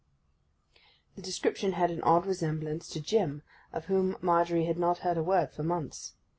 The description had an odd resemblance to Jim, of whom Margery had not heard a word for months.